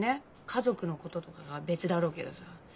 家族のこととかは別だろうけどさ。